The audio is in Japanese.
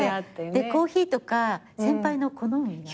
でコーヒーとか先輩の好み。